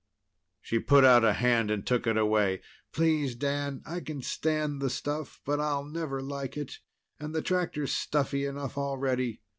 She put out a hand and took it away. "Please, Dan. I can stand the stuff, but I'll never like it, and the tractor's stuffy enough already.